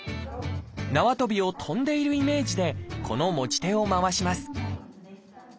なわとびを跳んでいるイメージでこの持ち手を回します